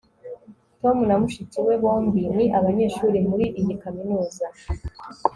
tom na mushiki we bombi ni abanyeshuri muri iyi kaminuza